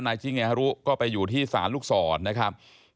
นายชิงเกฮารุก็ไปอยู่ที่สานลูกศรนะครับ